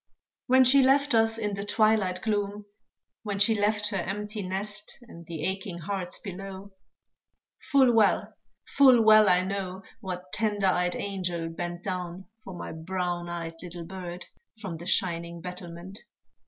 When she left us in the twilight gloom, When she left her empty nest, And the aching hearts below; Full well, full well I know, What tender eyed angel bent Down for my brown eyed little bird, From the shining battlement.